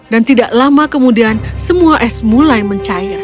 dan tidak lama kemudian semua es mulai mencair